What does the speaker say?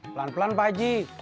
pelan pelan pak ji